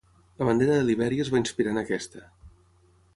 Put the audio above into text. La bandera de Libèria es va inspirar en aquesta.